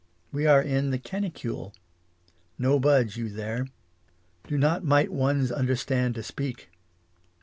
We are in the canicule. No budge you there. Do not might one's understand to speak.